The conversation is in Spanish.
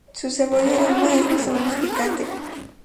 Su sabor y aroma es más o menos picante.